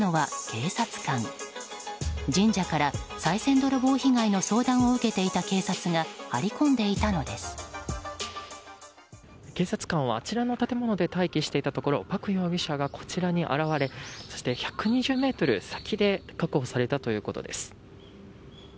警察官はあちらの建物で待機していたところパク容疑者がこちらに現れ１２０ｍ先で確保されたということです。